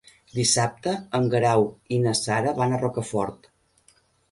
Dissabte en Guerau i na Sara van a Rocafort.